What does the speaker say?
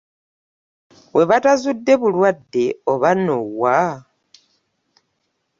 We batazudde bulwadde oba nno wa?